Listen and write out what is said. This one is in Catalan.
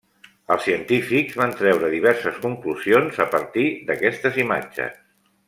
Els científics van treure diverses conclusions a partir d'aquestes imatges.